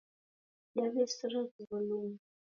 Daw'esera vindo luma